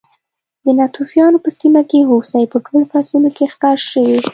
د ناتوفیانو په سیمه کې هوسۍ په ټولو فصلونو کې ښکار شوې.